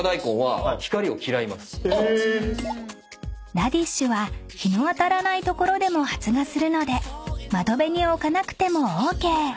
［ラディッシュは日の当たらない所でも発芽するので窓辺に置かなくてもＯＫ］